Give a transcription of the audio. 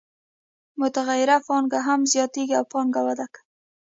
متغیره پانګه هم زیاتېږي او پانګه وده کوي